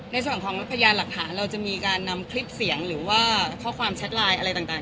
ในส่วนของพยานหลักฐานเราจะมีการนำคลิปเสียงหรือว่าข้อความแชทไลน์อะไรต่าง